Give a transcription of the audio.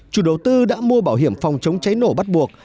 chủ đầu tư đã mua bảo hiểm phòng chống cháy nổ bắt buộc